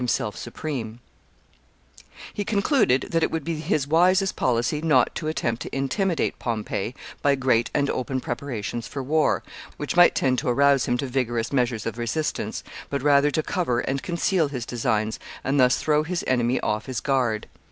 ] He concluded that it would be his wisest policy not to a'tempt to intimidate Pompey by great and open preparations for war, which might tend to arouse him to vigorous measures of resistance, but rather to cover and conceal his designs, and thus throw his enemy off his guard.